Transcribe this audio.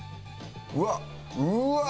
うわっうわー！